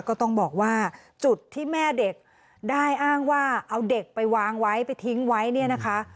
ก็ต้องบอกว่าจุดที่แม่เด็กได้อ้างว่าเอาเด็กไปวางไว้ไปทิ้งไว้เนี่ยนะคะ